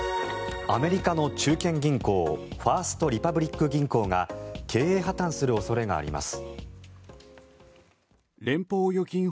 アメリカの中堅銀行ファースト・リパブリック銀行が経営破たんする恐れがあります。